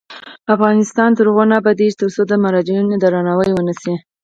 افغانستان تر هغو نه ابادیږي، ترڅو د مراجعینو درناوی ونشي.